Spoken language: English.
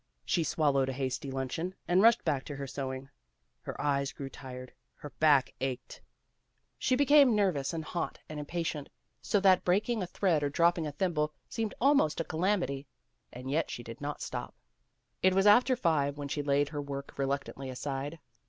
She swallowed a hasty luncheon and rushed back to her sewing. Her eyes grew tired, her back ached. She became nervous PEGGY RAYMOND'S WAY and hot and impatient, so that breaking a thread or dropping a thimble seemed almost a calamity. And yet she did not stop. It was after five when she laid her work reluctantly aside.